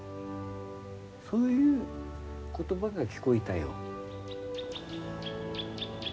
そういう言葉が聞こえたよ。